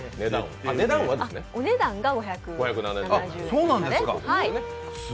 お値段が５７０円です。